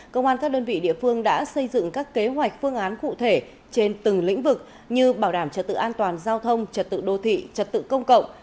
công an các đơn vị địa phương đã xây dựng các kế hoạch phương án cụ thể trên từng lĩnh vực như bảo đảm trật tự an toàn giao thông trật tự đô thị trật tự công cộng